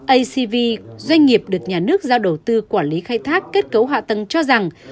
acv doanh nghiệp được nhà nước giao đầu tư quản lý khai thác kết cấu hạ tầng cho rằng